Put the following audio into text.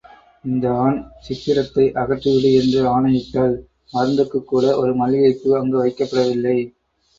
இந்த ஆண் சித்திரத்தை அகற்றி விடு என்று ஆணையிட்டாள் மருந்துக்குக் கூட ஒரு மல்லிகைப்பூ அங்கு வைக்கப்படவில்லை.